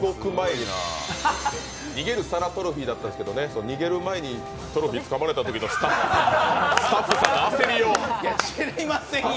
逃げる皿トロフィーだったんですけど逃げる前にトロフィーつかまれたときのスタッフさんの焦りようよ。